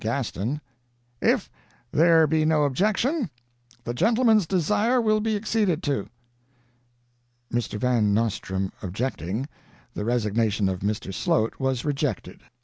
GASTON: 'If there be no objection, the gentleman's desire will be acceded to.' "MR. VAN NOSTRAND objecting, the resignation of Mr. Slote was rejected.